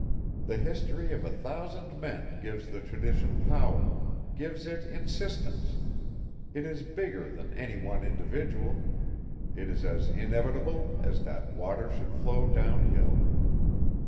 The history of a thousand men gives the tradition power, gives it insistence. It is bigger than any one individual. It is as inevitable as that water should flow down hill."